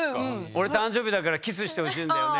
「俺誕生日だからキスしてほしいんだよね」